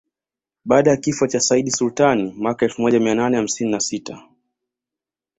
Baada ya kifo cha Sayyid Sultan mwaka elfu moja mia nane hamsini na sita